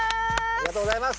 ありがとうございます！